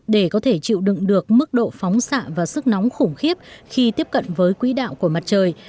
để có thể chịu đựng được mức độ phóng xạ và sức nóng khủng khiếp khi tiếp cận với quỹ đạo của mặt trời